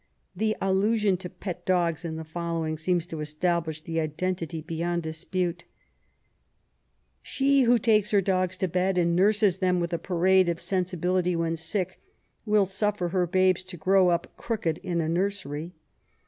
The allusion to pet dogs in the following seems to establish the identity beyond dispute :—... She who takes her dogs to bed, and nurses them with a parade of sensibility when sick, will suffer her babes to grow up crooked in a nursery.